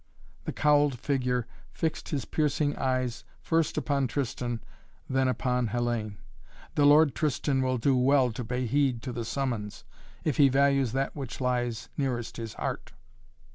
The cowled figure fixed his piercing eyes first upon Tristan then upon Hellayne. "The Lord Tristan will do well to pay heed to the summons, if he values that which lies nearest his heart."